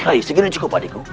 rai segini cukup adikku